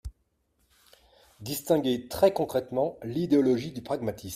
distinguer très concrètement l’idéologie du pragmatisme.